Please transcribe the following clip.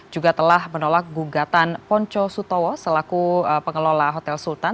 juga telah menolak gugatan ponco sutowo selaku pengelola hotel sultan